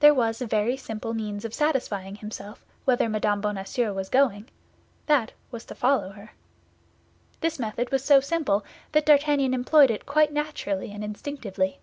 There was a very simple means of satisfying himself whither Mme. Bonacieux was going; that was to follow her. This method was so simple that D'Artagnan employed it quite naturally and instinctively.